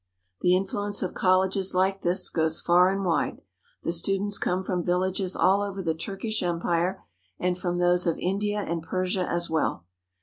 The influence of colleges like this goes far and wide. The students come from villages all over the Turkish Empire and from those of India and Persia as well.